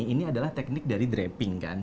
ini adalah teknik dari drapping kan